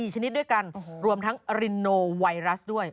ชนิดด้วยกันรวมทั้งอรินโนไวรัสด้วย